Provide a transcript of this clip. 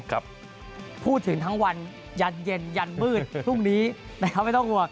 ครับพูดถึงทั้งวันยันเย็นยันมืดพรุ่งนี้แต่เขาไม่ต้องกลัว